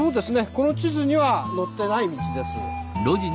この地図には載ってない道です。